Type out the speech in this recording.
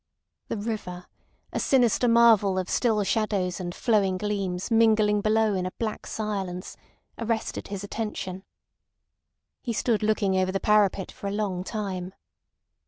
The river, a sinister marvel of still shadows and flowing gleams mingling below in a black silence, arrested his attention. He stood looking over the parapet for a long time.